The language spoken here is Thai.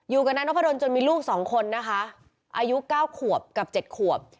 อยู่กับนายนพดลจนมีลูก๒คนนะคะอายุ๙ขวบกับ๗ขวบ